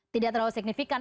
tidak terlalu signifikan